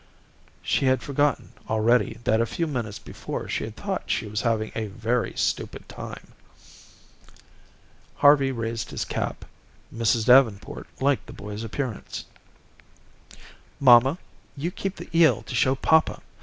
She had forgotten, already, that a few minutes before she thought she was having a very stupid time. Harvey raised his cap. Mrs. Davenport liked the boy's appearance. "Mamma, you keep the eel to show papa.